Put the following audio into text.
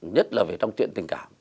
nhất là về trong chuyện tình cảm